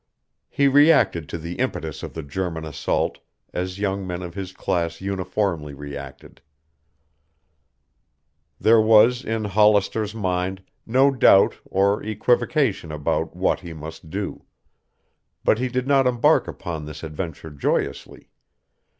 He reacted to the impetus of the German assault as young men of his class uniformly reacted. There was in Hollister's mind no doubt or equivocation about what he must do. But he did not embark upon this adventure joyously.